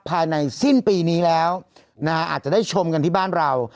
ภายในสิ้นปีนี้แล้วนะฮะอาจจะได้ชมกันที่บ้านเรา